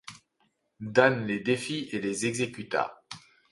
Dan les défit et les exécuta.